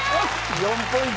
４ポイント。